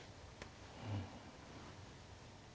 うん。